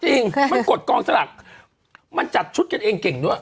จริงมันกดกองสลักมันจัดชุดกันเองเก่งด้วย